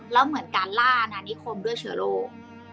แล้วเหมือนการล่านานิคมด้วยเชื้อโรค